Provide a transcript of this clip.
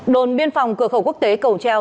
đồn biên phòng cửa khẩu quốc tế cầu treo